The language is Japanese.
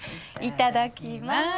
いただきます。